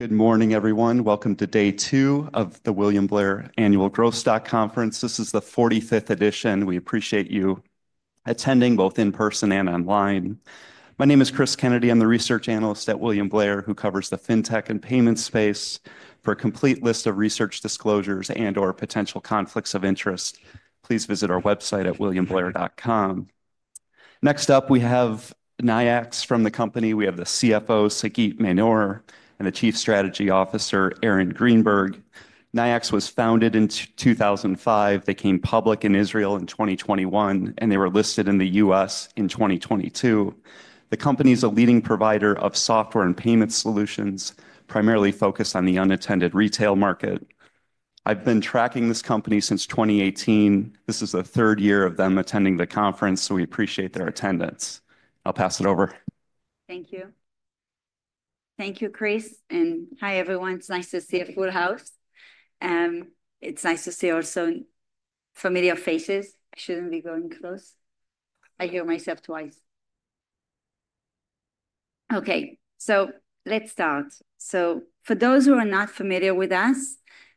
Good morning, everyone. Welcome to day two of the William Blair Annual Growth Stock Conference. This is the 45th edition. We appreciate you attending both in person and online. My name is Chris Kennedy. I'm the Research Analyst at William Blair, who covers the fintech and payments space. For a complete list of research disclosures and/or potential conflicts of interest, please visit our website at williamblair.com. Next up, we have Nayax from the company. We have the CFO, Sagit Manor, and the Chief Strategy Officer, Aaron Greenberg. Nayax was founded in 2005. They came public in Israel in 2021, and they were listed in the U.S. in 2022. The company is a leading provider of software and payment solutions, primarily focused on the unattended retail market. I've been tracking this company since 2018. This is the third year of them attending the conference, so we appreciate their attendance. I'll pass it over. Thank you. Thank you, Chris. Hi, everyone. It's nice to see a full house. It's nice to see also familiar faces. I shouldn't be going close. I hear myself twice. Okay, let's start. For those who are not familiar with us,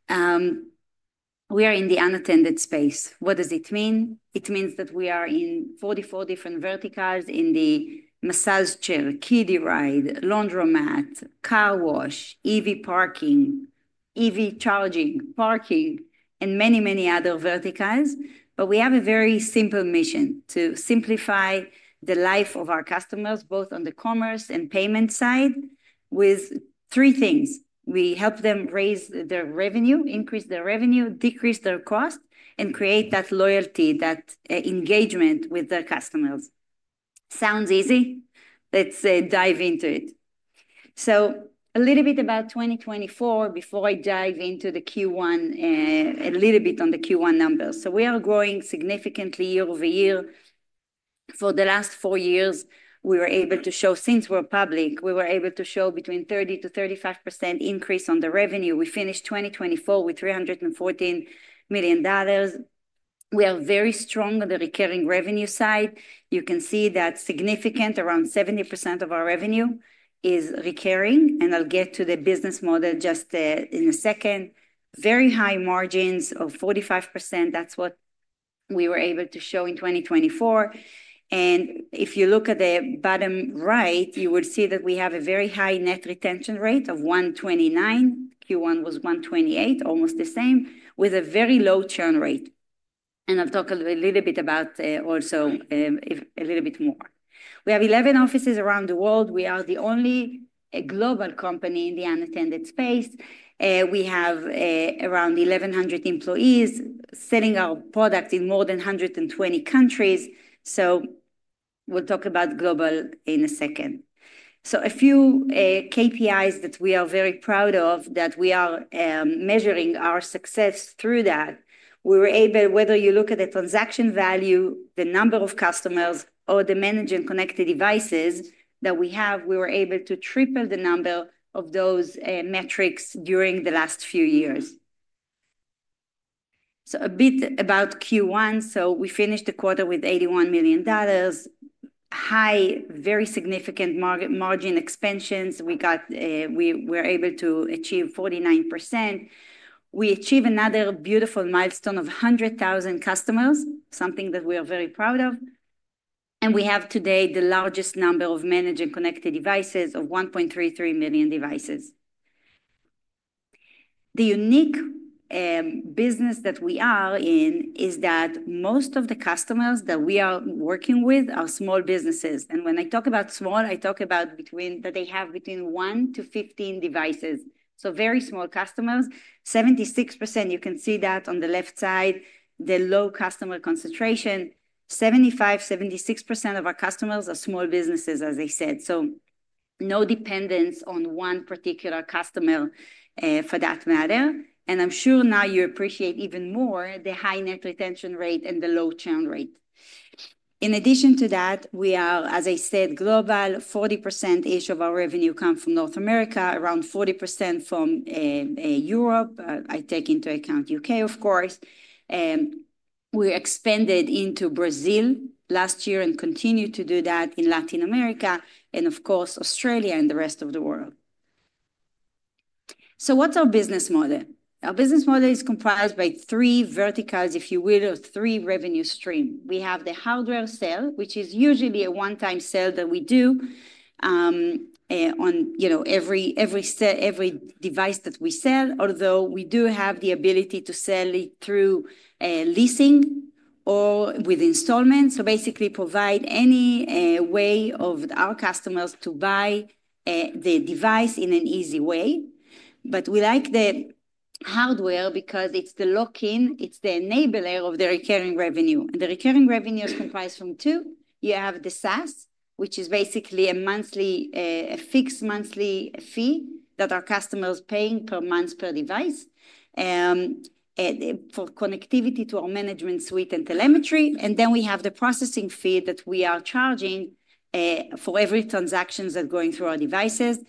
we are in the unattended space. What does it mean? It means that we are in 44 different verticals: in the massage chair, kiddie ride, laundromat, car wash, EV parking, EV charging, parking, and many, many other verticals. We have a very simple mission: to simplify the life of our customers, both on the commerce and payment side, with three things. We help them raise their revenue, increase their revenue, decrease their cost, and create that loyalty, that engagement with their customers. Sounds easy? Let's dive into it. A little bit about 2024, before I dive into the Q1, a little bit on the Q1 numbers. We are growing significantly year over year. For the last four years, we were able to show, since we're public, we were able to show between 30%-35% increase on the revenue. We finished 2024 with $314 million. We are very strong on the recurring revenue side. You can see that significantly around 70% of our revenue is recurring. I'll get to the business model just in a second. Very high margins of 45%. That's what we were able to show in 2024. If you look at the bottom right, you will see that we have a very high net retention rate of 129%. Q1 was 128%, almost the same, with a very low churn rate. I'll talk a little bit about also a little bit more. We have 11 offices around the world. We are the only global company in the unattended space. We have around 1,100 employees selling our product in more than 120 countries. We'll talk about global in a second. A few KPIs that we are very proud of, that we are measuring our success through that. We were able, whether you look at the transaction value, the number of customers, or the managed and connected devices that we have, we were able to triple the number of those metrics during the last few years. A bit about Q1. We finished the quarter with $81 million. High, very significant margin expansions. We were able to achieve 49%. We achieved another beautiful milestone of 100,000 customers, something that we are very proud of. We have today the largest number of managed and connected devices of 1.33 million devices. The unique business that we are in is that most of the customers that we are working with are small businesses. When I talk about small, I talk about that they have between 1 to 15 devices. Very small customers, 76%. You can see that on the left side, the low customer concentration. 75%-76% of our customers are small businesses, as I said. No dependence on one particular customer for that matter. I am sure now you appreciate even more the high net retention rate and the low churn rate. In addition to that, we are, as I said, global. 40% of our revenue comes from North America, around 40% from Europe. I take into account the U.K., of course. We expanded into Brazil last year and continue to do that in Latin America, and of course, Australia and the rest of the world. What is our business model? Our business model is comprised by three verticals, if you will, or three revenue streams. We have the hardware sale, which is usually a one-time sale that we do on every device that we sell, although we do have the ability to sell it through leasing or with installments. Basically, provide any way for our customers to buy the device in an easy way. We like the hardware because it is the lock-in. It is the enabler of the recurring revenue. The recurring revenue is comprised of two. You have the SaaS, which is basically a fixed monthly fee that our customers pay per month per device for connectivity to our management suite and telemetry. We have the processing fee that we are charging for every transaction that's going through our devices.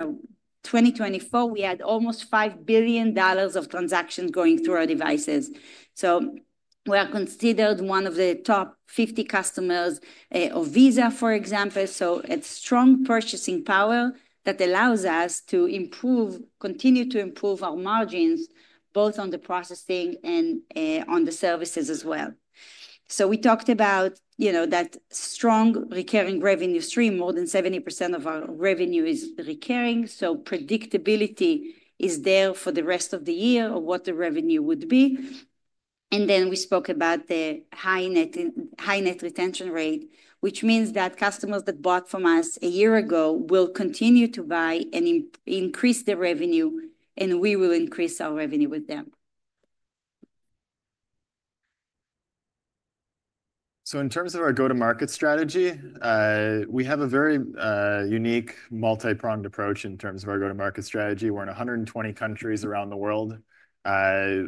In 2024, we had almost $5 billion of transactions going through our devices. We are considered one of the top 50 customers of Visa, for example. It is strong purchasing power that allows us to continue to improve our margins, both on the processing and on the services as well. We talked about that strong recurring revenue stream. More than 70% of our revenue is recurring. Predictability is there for the rest of the year or what the revenue would be. We spoke about the high net retention rate, which means that customers that bought from us a year ago will continue to buy and increase their revenue, and we will increase our revenue with them. In terms of our go-to-market strategy, we have a very unique, multi-pronged approach in terms of our go-to-market strategy. We're in 120 countries around the world.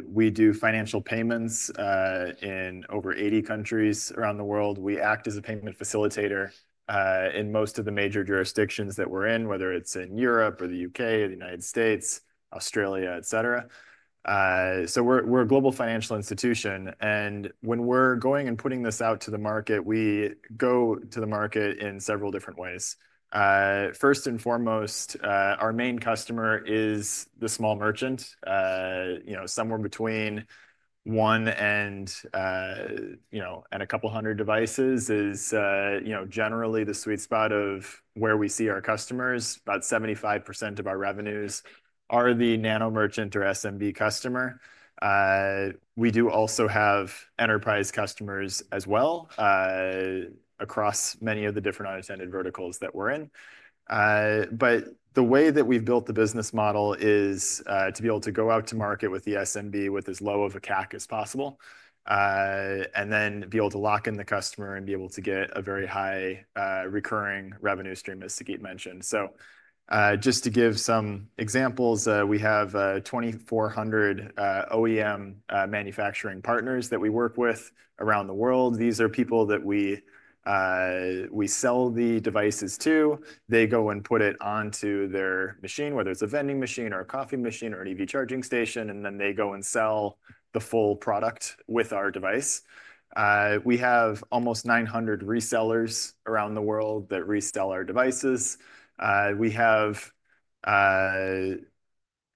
We do financial payments in over 80 countries around the world. We act as a payment facilitator in most of the major jurisdictions that we're in, whether it's in Europe or the U.K. or the United States, Australia, et cetera. We're a global financial institution. When we're going and putting this out to the market, we go to the market in several different ways. First and foremost, our main customer is the small merchant. Somewhere between one and a couple hundred devices is generally the sweet spot of where we see our customers. About 75% of our revenues are the nano merchant or SMB customer. We do also have enterprise customers as well across many of the different unattended verticals that we're in. The way that we've built the business model is to be able to go out to market with the SMB with as low of a CAC as possible and then be able to lock in the customer and be able to get a very high recurring revenue stream, as Sagit mentioned. Just to give some examples, we have 2,400 OEM manufacturing partners that we work with around the world. These are people that we sell the devices to. They go and put it onto their machine, whether it's a vending machine or a coffee machine or an EV charging station, and then they go and sell the full product with our device. We have almost 900 resellers around the world that resell our devices. We have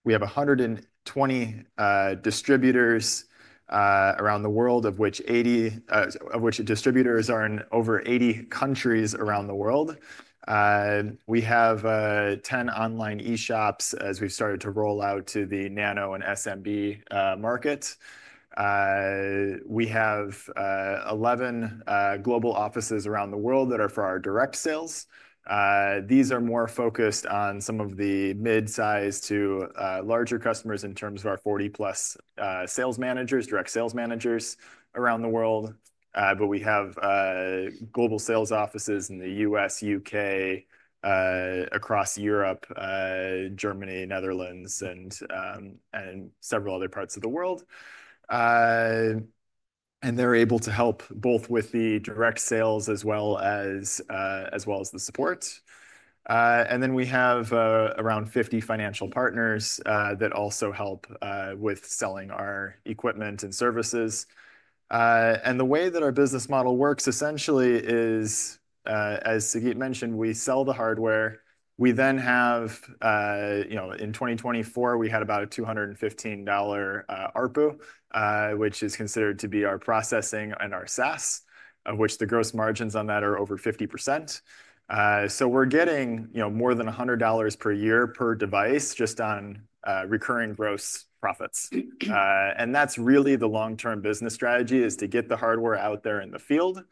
120 distributors around the world, of which 80 distributors are in over 80 countries around the world. We have 10 online e-shops as we've started to roll out to the nano and SMB markets. We have 11 global offices around the world that are for our direct sales. These are more focused on some of the mid-size to larger customers in terms of our 40+ direct sales managers around the world. We have global sales offices in the U.S., U.K., across Europe, Germany, Netherlands, and several other parts of the world. They are able to help both with the direct sales as well as the support. We have around 50 financial partners that also help with selling our equipment and services. The way that our business model works essentially is, as Sagit mentioned, we sell the hardware. We then have, in 2024, we had about a $215 ARPU, which is considered to be our processing and our SaaS, of which the gross margins on that are over 50%. We're getting more than $100 per year per device just on recurring gross profits. That's really the long-term business strategy is to get the hardware out there in the field.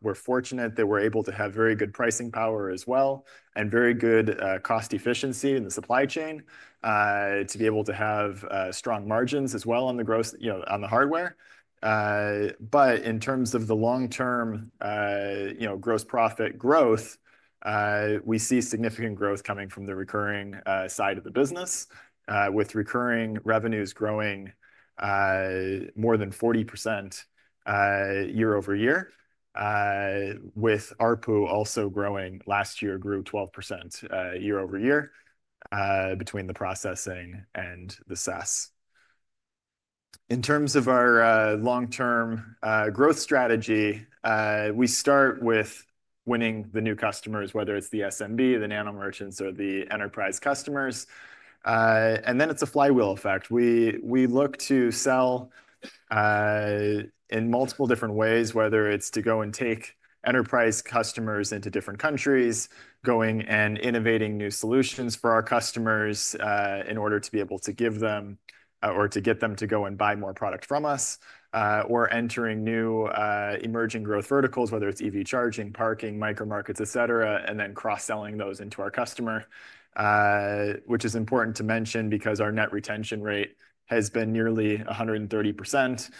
We're fortunate that we're able to have very good pricing power as well and very good cost efficiency in the supply chain to be able to have strong margins as well on the hardware. In terms of the long-term gross profit growth, we see significant growth coming from the recurring side of the business, with recurring revenues growing more than 40% year over year, with ARPU also growing. Last year grew 12% year over year between the processing and the SaaS. In terms of our long-term growth strategy, we start with winning the new customers, whether it's the SMB, the nano merchants, or the enterprise customers. It is a flywheel effect. We look to sell in multiple different ways, whether it's to go and take enterprise customers into different countries, going and innovating new solutions for our customers in order to be able to give them or to get them to go and buy more product from us, or entering new emerging growth verticals, whether it's EV charging, parking, micro-markets, et cetera, and then cross-selling those into our customer, which is important to mention because our net retention rate has been nearly 130%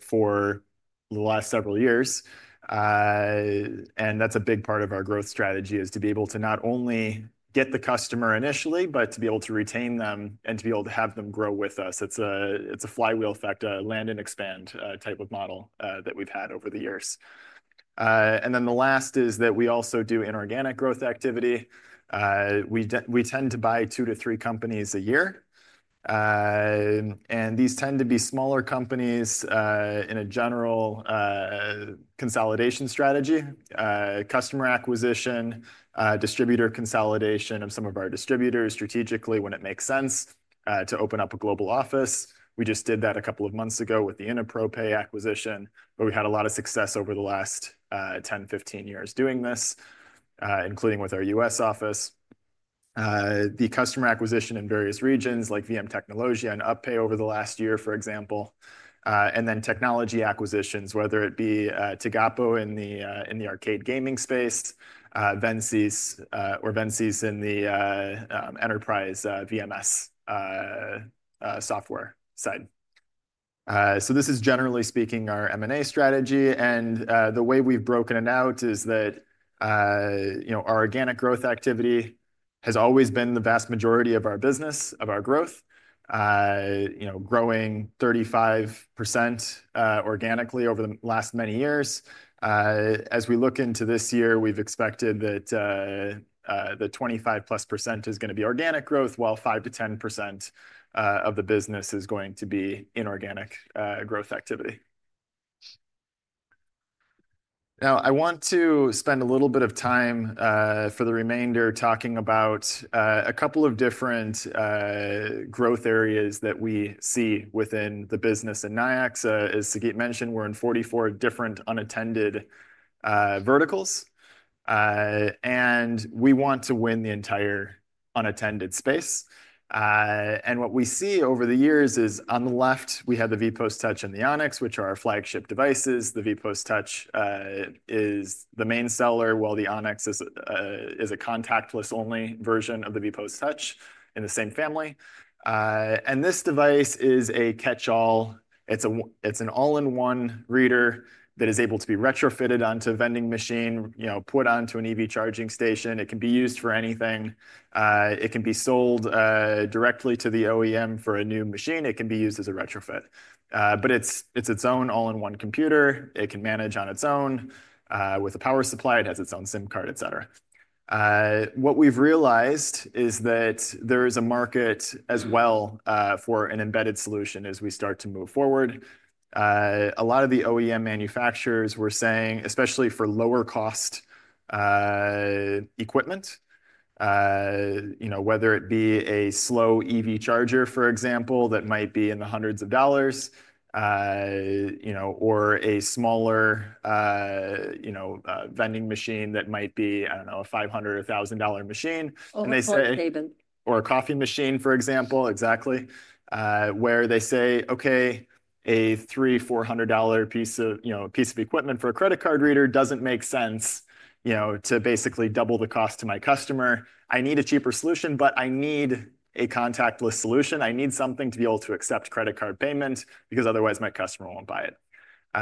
for the last several years. A big part of our growth strategy is to be able to not only get the customer initially, but to be able to retain them and to be able to have them grow with us. It is a flywheel effect, a land and expand type of model that we have had over the years. The last is that we also do inorganic growth activity. We tend to buy two to three companies a year. These tend to be smaller companies in a general consolidation strategy, customer acquisition, distributor consolidation of some of our distributors strategically when it makes sense to open up a global office. We just did that a couple of months ago with the Inepro Pay acquisition, but we had a lot of success over the last 10-15 years doing this, including with our U.S. office. The customer acquisition in various regions like VMtecnologia and UPPay over the last year, for example. Then technology acquisitions, whether it be Tegapo in the arcade gaming space, Vensys in the enterprise VMS software side. This is, generally speaking, our M&A strategy. The way we have broken it out is that our organic growth activity has always been the vast majority of our business, of our growth, growing 35% organically over the last many years. As we look into this year, we have expected that the 25%+ is going to be organic growth, while 5-10% of the business is going to be inorganic growth activity. Now, I want to spend a little bit of time for the remainder talking about a couple of different growth areas that we see within the business. Nayax, as Sagit mentioned, we're in 44 different unattended verticals. We want to win the entire unattended space. What we see over the years is on the left, we have the VPOS Touch and the Onyx, which are our flagship devices. The VPOS Touch is the main seller, while the Onyx is a contactless-only version of the VPOS Touch in the same family. This device is a catch-all. It's an all-in-one reader that is able to be retrofitted onto a vending machine, put onto an EV charging station. It can be used for anything. It can be sold directly to the OEM for a new machine. It can be used as a retrofit. It's its own all-in-one computer. It can manage on its own with a power supply. It has its own SIM card, et cetera. What we've realized is that there is a market as well for an embedded solution as we start to move forward. A lot of the OEM manufacturers were saying, especially for lower-cost equipment, whether it be a slow EV charger, for example, that might be in the hundreds of dollars, or a smaller vending machine that might be, I don't know, a $500, $1,000 machine. Or a coffee table. Or a coffee machine, for example, exactly, where they say, "Okay, a $300, $400 piece of equipment for a credit card reader doesn't make sense to basically double the cost to my customer. I need a cheaper solution, but I need a contactless solution. I need something to be able to accept credit card payments because otherwise my customer won't buy it." We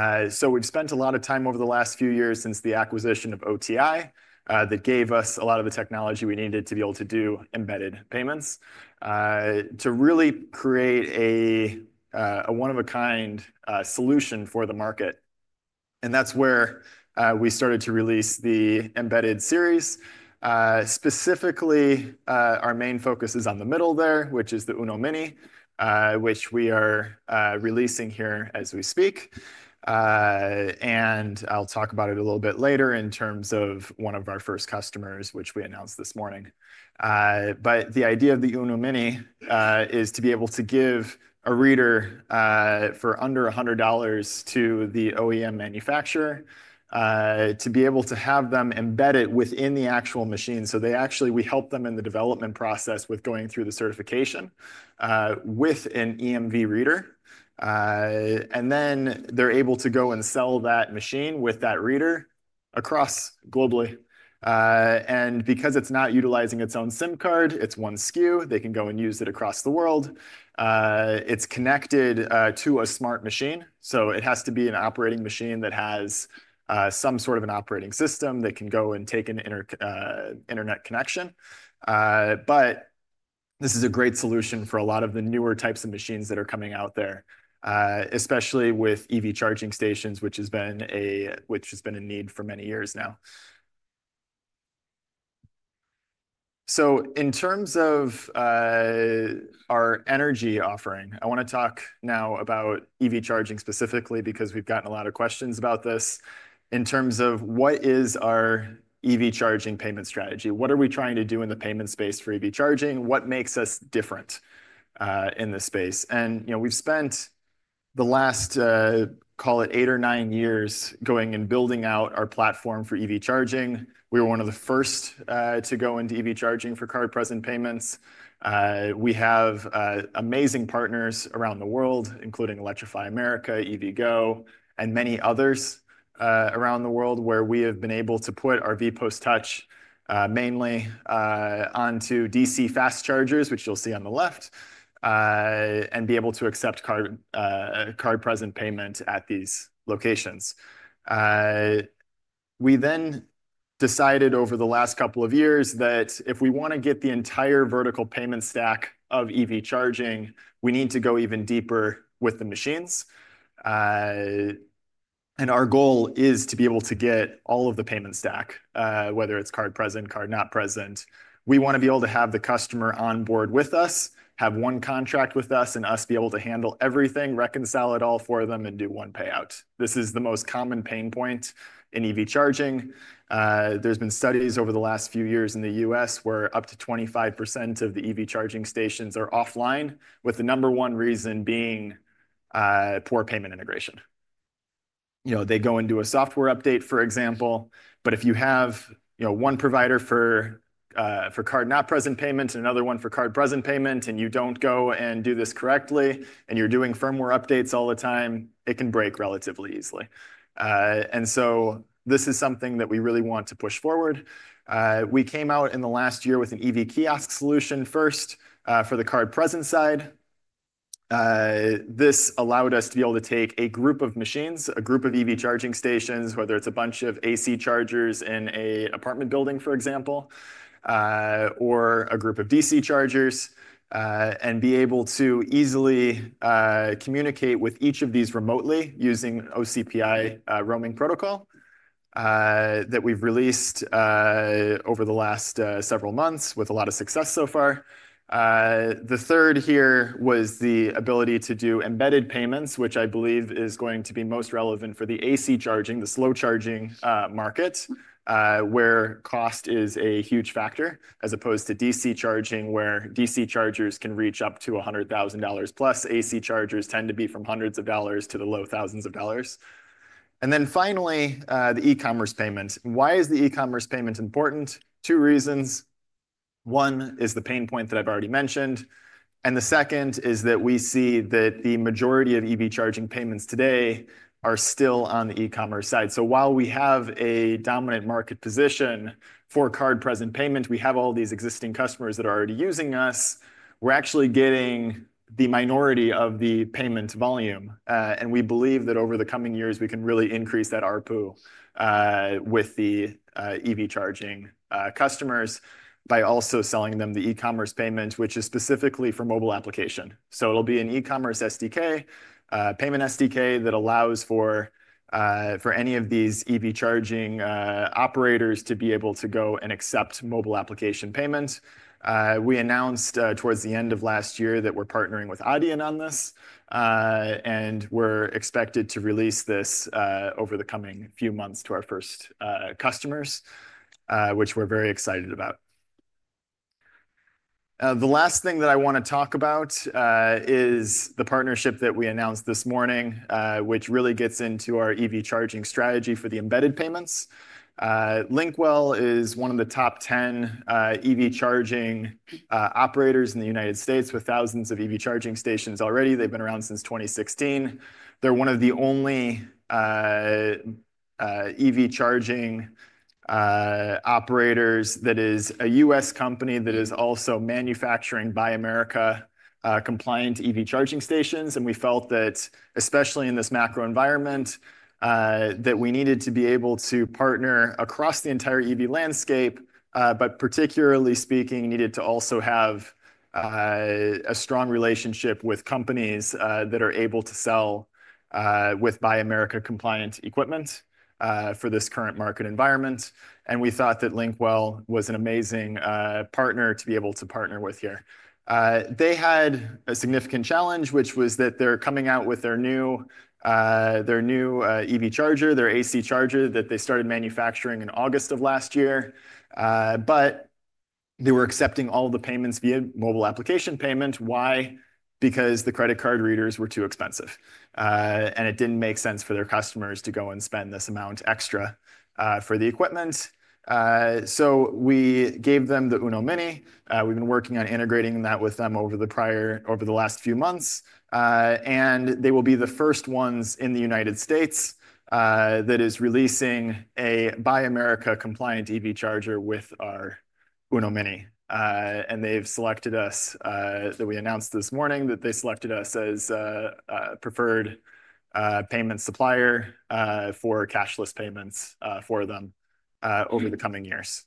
have spent a lot of time over the last few years since the acquisition of OTI that gave us a lot of the technology we needed to be able to do embedded payments to really create a one-of-a-kind solution for the market. That is where we started to release the embedded series. Specifically, our main focus is on the middle there, which is the UNO-Mini, which we are releasing here as we speak. I'll talk about it a little bit later in terms of one of our first customers, which we announced this morning. The idea of the UNO-Mini is to be able to give a reader for under $100 to the OEM manufacturer to be able to have them embed it within the actual machine. We help them in the development process with going through the certification with an EMV reader. Then they're able to go and sell that machine with that reader globally. Because it's not utilizing its own SIM card, it's one SKU. They can go and use it across the world. It's connected to a smart machine. It has to be an operating machine that has some sort of an operating system that can take an internet connection. This is a great solution for a lot of the newer types of machines that are coming out there, especially with EV charging stations, which has been a need for many years now. In terms of our energy offering, I want to talk now about EV charging specifically because we've gotten a lot of questions about this in terms of what is our EV charging payment strategy, what are we trying to do in the payment space for EV charging, what makes us different in this space. We've spent the last, call it, eight or nine years going and building out our platform for EV charging. We were one of the first to go into EV charging for card-present payments. We have amazing partners around the world, including Electrify America, EVgo, and many others around the world where we have been able to put our VPOS Touch mainly onto DC fast chargers, which you'll see on the left, and be able to accept card-present payment at these locations. We then decided over the last couple of years that if we want to get the entire vertical payment stack of EV charging, we need to go even deeper with the machines. Our goal is to be able to get all of the payment stack, whether it's card-present, card-not-present. We want to be able to have the customer onboard with us, have one contract with us, and us be able to handle everything, reconcile it all for them, and do one payout. This is the most common pain point in EV charging. have been studies over the last few years in the U.S. where up to 25% of the EV charging stations are offline, with the number one reason being poor payment integration. They go and do a software update, for example. If you have one provider for card-not-present payments and another one for card-present payments, and you do not go and do this correctly, and you are doing firmware updates all the time, it can break relatively easily. This is something that we really want to push forward. We came out in the last year with an EV Kiosk Solution first for the card-present side. This allowed us to be able to take a group of machines, a group of EV charging stations, whether it's a bunch of AC chargers in an apartment building, for example, or a group of DC chargers, and be able to easily communicate with each of these remotely using OCPI roaming protocol that we've released over the last several months with a lot of success so far. The third here was the ability to do embedded payments, which I believe is going to be most relevant for the AC charging, the slow charging market, where cost is a huge factor as opposed to DC charging, where DC chargers can reach up to $100,000 plus. AC chargers tend to be from hundreds of dollars to the low thousands of dollars. Finally, the e-commerce payments. Why is the e-commerce payments important? Two reasons. One is the pain point that I've already mentioned. The second is that we see that the majority of EV charging payments today are still on the e-commerce side. While we have a dominant market position for card-present payments, we have all these existing customers that are already using us. We're actually getting the minority of the payment volume. We believe that over the coming years, we can really increase that ARPU with the EV charging customers by also selling them the e-commerce payments, which is specifically for mobile application. It'll be an e-commerce SDK, payment SDK that allows for any of these EV charging operators to be able to go and accept mobile application payments. We announced towards the end of last year that we're partnering with Audion on this. We're expected to release this over the coming few months to our first customers, which we're very excited about. The last thing that I want to talk about is the partnership that we announced this morning, which really gets into our EV charging strategy for the embedded payments. Lynkwell is one of the top 10 EV charging operators in the U.S. with thousands of EV charging stations already. They've been around since 2016. They're one of the only EV charging operators that is a U.S. company that is also manufacturing Buy America-compliant EV charging stations. We felt that, especially in this macro environment, we needed to be able to partner across the entire EV landscape, but particularly speaking, needed to also have a strong relationship with companies that are able to sell with Buy America-compliant equipment for this current market environment. We thought that Lynkwell was an amazing partner to be able to partner with here. They had a significant challenge, which was that they're coming out with their new EV charger, their AC charger that they started manufacturing in August of last year. They were accepting all the payments via mobile application payment. Why? Because the credit card readers were too expensive. It did not make sense for their customers to go and spend this amount extra for the equipment. We gave them the UNO-Mini. We've been working on integrating that with them over the last few months. They will be the first ones in the U.S. that is releasing a Buy America-compliant EV charger with our UNO-Mini. They have selected us that we announced this morning that they selected us as a preferred payment supplier for cashless payments for them over the coming years.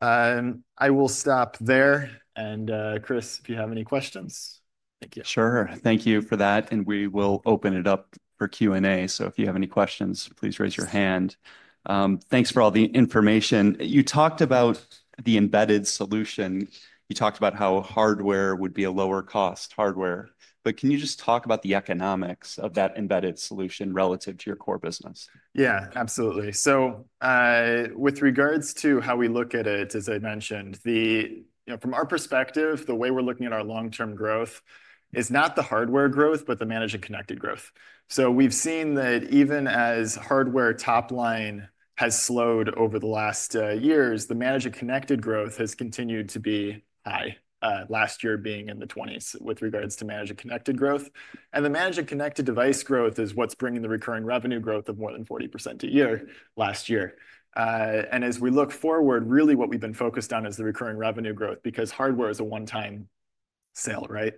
I will stop there. Chris, if you have any questions, thank you. Sure. Thank you for that. We will open it up for Q&A. If you have any questions, please raise your hand. Thanks for all the information. You talked about the embedded solution. You talked about how hardware would be a lower-cost hardware. Can you just talk about the economics of that embedded solution relative to your core business? Yeah, absolutely. With regards to how we look at it, as I mentioned, from our perspective, the way we're looking at our long-term growth is not the hardware growth, but the managed and connected growth. We've seen that even as hardware top line has slowed over the last years, the managed and connected growth has continued to be high, last year being in the 20s with regards to managed and connected growth. The managed and connected device growth is what's bringing the recurring revenue growth of more than 40% a year last year. As we look forward, really what we've been focused on is the recurring revenue growth because hardware is a one-time sale, right?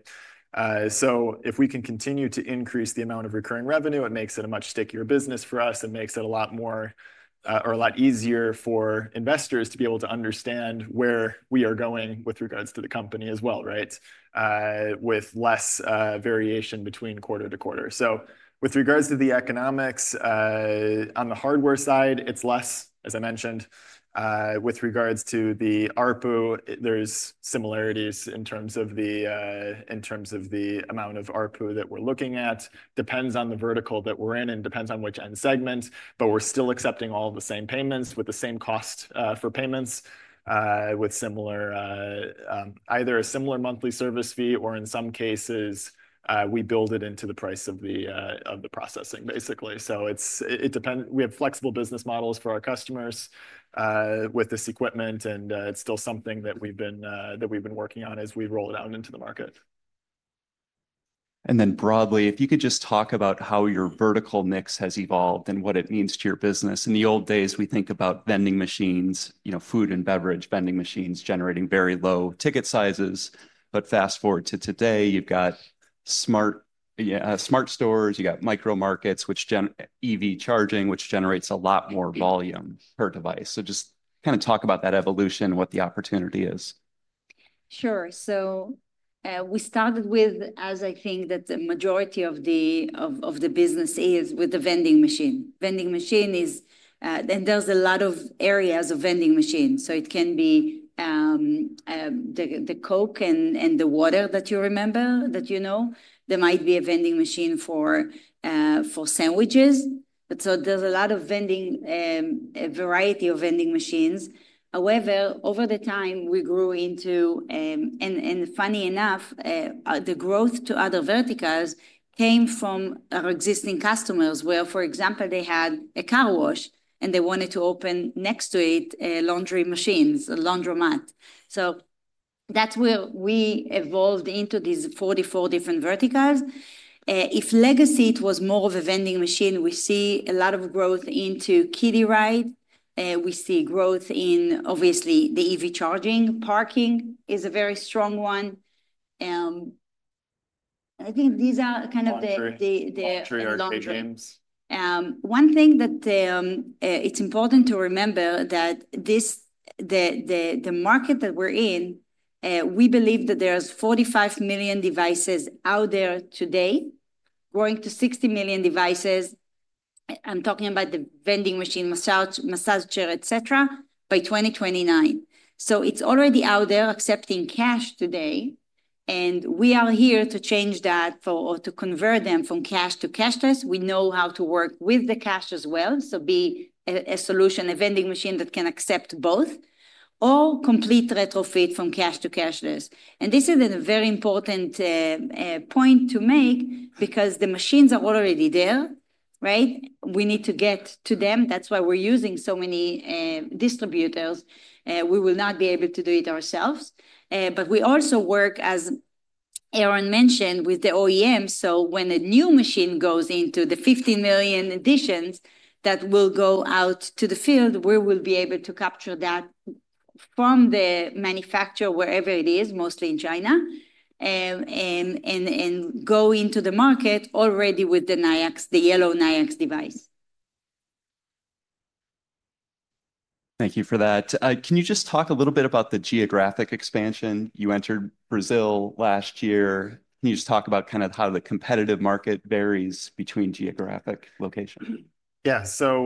If we can continue to increase the amount of recurring revenue, it makes it a much stickier business for us. It makes it a lot more or a lot easier for investors to be able to understand where we are going with regards to the company as well, right, with less variation between quarter to quarter. With regards to the economics on the hardware side, it's less, as I mentioned. With regards to the ARPU, there's similarities in terms of the amount of ARPU that we're looking at. Depends on the vertical that we're in and depends on which end segment, but we're still accepting all the same payments with the same cost for payments with either a similar monthly service fee or in some cases, we build it into the price of the processing, basically. We have flexible business models for our customers with this equipment, and it's still something that we've been working on as we roll it out into the market. If you could just talk about how your vertical mix has evolved and what it means to your business. In the old days, we think about vending machines, food and beverage vending machines generating very low ticket sizes. Fast forward to today, you have smart stores, you have micro markets, EV charging, which generates a lot more volume per device. Just kind of talk about that evolution, what the opportunity is. Sure. We started with, as I think that the majority of the business is with the vending machine. Vending machine is, and there is a lot of areas of vending machine. It can be the Coke and the water that you remember, that you know. There might be a vending machine for sandwiches. There is a lot of variety of vending machines. However, over time, we grew into, and funny enough, the growth to other verticals came from our existing customers where, for example, they had a car wash and they wanted to open next to it laundry machines, a laundromat. That is where we evolved into these 44 different verticals. If legacy, it was more of a vending machine, we see a lot of growth into Kidi Ride. We see growth in, obviously, the EV charging. Parking is a very strong one. I think these are kind of the. Audrey or Kate James. One thing that it's important to remember is that the market that we're in, we believe that there's 45 million devices out there today, growing to 60 million devices. I'm talking about the vending machine, massage, et cetera, by 2029. It's already out there accepting cash today. We are here to change that or to convert them from cash to cashless. We know how to work with the cash as well. Be a solution, a vending machine that can accept both or complete retrofit from cash to cashless. This is a very important point to make because the machines are already there, right? We need to get to them. That's why we're using so many distributors. We will not be able to do it ourselves. We also work, as Aaron mentioned, with the OEM. When a new machine goes into the 15 million additions that will go out to the field, we will be able to capture that from the manufacturer wherever it is, mostly in China, and go into the market already with the Nayax, the yellow Nayax device. Thank you for that. Can you just talk a little bit about the geographic expansion? You entered Brazil last year. Can you just talk about kind of how the competitive market varies between geographic locations? Yeah. So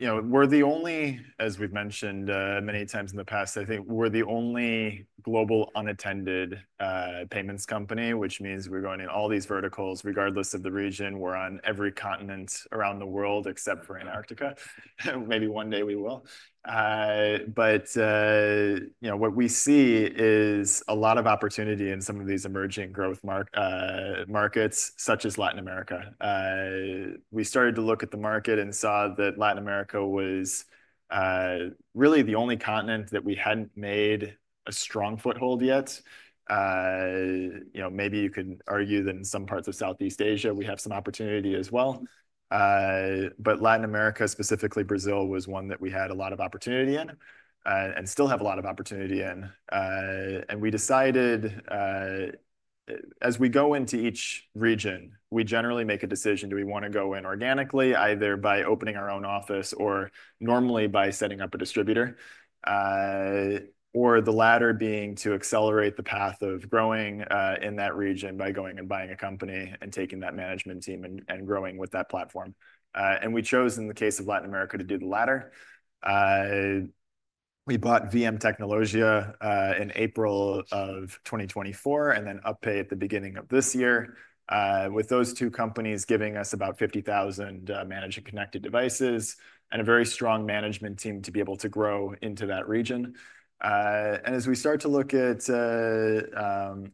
we're the only, as we've mentioned many times in the past, I think we're the only global unattended payments company, which means we're going in all these verticals regardless of the region. We're on every continent around the world except for Antarctica. Maybe one day we will. What we see is a lot of opportunity in some of these emerging growth markets, such as Latin America. We started to look at the market and saw that Latin America was really the only continent that we hadn't made a strong foothold yet. Maybe you could argue that in some parts of Southeast Asia, we have some opportunity as well. Latin America, specifically Brazil, was one that we had a lot of opportunity in and still have a lot of opportunity in. We decided as we go into each region, we generally make a decision. Do we want to go in organically, either by opening our own office or normally by setting up a distributor, or the latter being to accelerate the path of growing in that region by going and buying a company and taking that management team and growing with that platform. We chose, in the case of Latin America, to do the latter. We bought VMtecnologia in April of 2024 and then UPPay at the beginning of this year, with those two companies giving us about 50,000 managed and connected devices and a very strong management team to be able to grow into that region. As we start to look at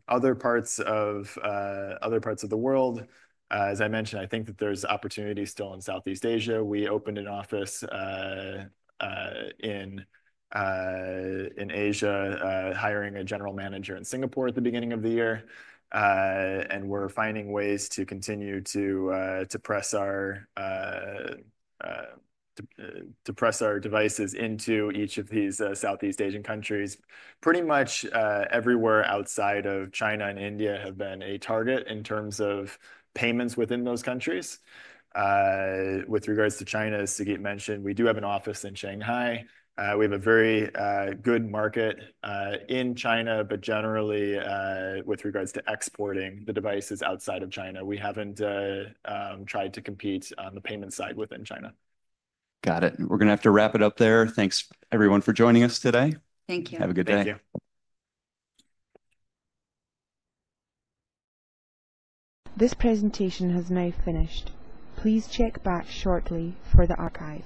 other parts of the world, as I mentioned, I think that there's opportunity still in Southeast Asia. We opened an office in Asia hiring a general manager in Singapore at the beginning of the year. We are finding ways to continue to press our devices into each of these Southeast Asian countries. Pretty much everywhere outside of China and India have been a target in terms of payments within those countries. With regards to China, as Sagit mentioned, we do have an office in Shanghai. We have a very good market in China, but generally, with regards to exporting the devices outside of China, we have not tried to compete on the payment side within China. Got it. We're going to have to wrap it up there. Thanks, everyone, for joining us today. Thank you. Have a good day. Thank you. This presentation has now finished. Please check back shortly for the archives.